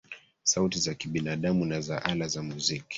Sauti za kibinadamu na za ala za muziki